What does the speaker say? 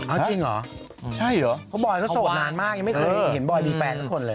เอาจริงเหรอใช่เหรอเพราะบอยเขาโสดนานมากยังไม่เคยเห็นบอยมีแฟนสักคนเลย